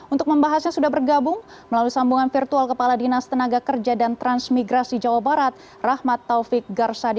untuk membahasnya sudah bergabung melalui sambungan virtual kepala dinas tenaga kerja dan transmigrasi jawa barat rahmat taufik garsadi